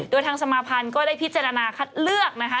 โดยทางสมาภัณฑ์ก็ได้พิจารณาคัดเลือกนะคะ